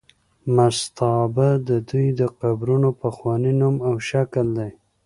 مستابه د دوی د قبرونو پخوانی نوم او شکل دی.